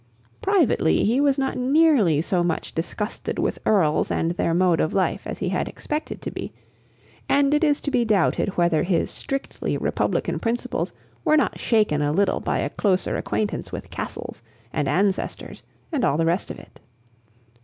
Privately he was not nearly so much disgusted with earls and their mode of life as he had expected to be, and it is to be doubted whether his strictly republican principles were not shaken a little by a closer acquaintance with castles and ancestors and all the rest of it.